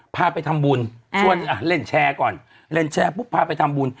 พาไปทำบุญชวนอ่ะเล่นแชร์ก่อนเล่นแชร์ปุ๊บพาไปทำบุญ